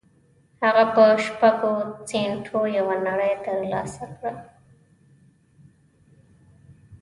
هغه په شپږو سينټو يوه نړۍ تر لاسه کړه.